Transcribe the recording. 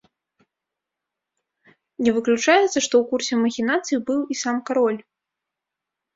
Не выключаецца, што ў курсе махінацый быў і сам кароль.